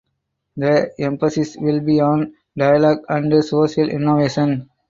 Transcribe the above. The emphasis will be on dialogue and social innovation.